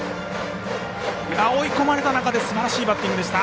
追い込まれた中ですばらしいバッティングでした。